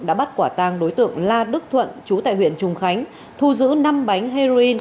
đã bắt quả tang đối tượng la đức thuận chú tại huyện trùng khánh thu giữ năm bánh heroin